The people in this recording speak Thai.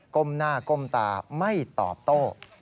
ก้มหน้าก้มตาไม่ตอบโต้